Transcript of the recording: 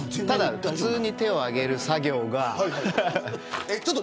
ただ、普通に手を挙げる作業が。